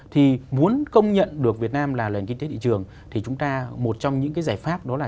thì muốn công nhận được việt nam là nền kinh tế thị trường thì chúng ta một trong những cái giải pháp đó là